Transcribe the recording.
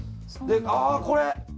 あぁこれ！